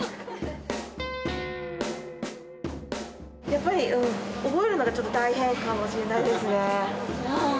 やっぱり覚えるのがちょっと大変かもしれないですね。